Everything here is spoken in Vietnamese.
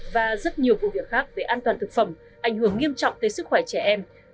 và rất nhiều vụ việc khác về an toàn thực phẩm ảnh hưởng nghiêm trọng tới sức khỏe trẻ em